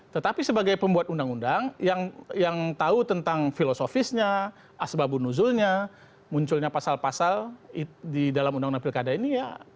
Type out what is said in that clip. tetapi sebagai pembuat undang undang yang tahu tentang filosofisnya asbabun nuzulnya munculnya pasal pasal di dalam undang undang pilkada ini ya